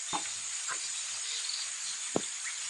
县治安东尼。